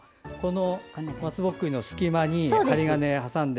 松ぼっくりの隙間に針金を挟んで。